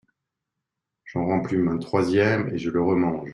J’en replume un troisième et je le remange…